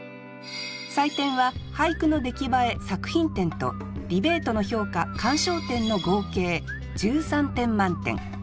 採点は俳句の出来栄え作品点とディベートの評価鑑賞点の合計１３点満点。